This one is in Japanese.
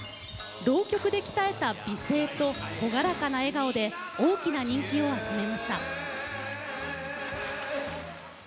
浪曲で鍛えた美声と朗らかな笑顔で大きな人気を集めました。